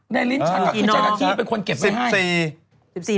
ลิ้นฉันก็คือเจ้าหน้าที่เป็นคนเก็บไว้ให้